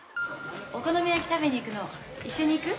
お好み焼き食べに行くの一緒に行く？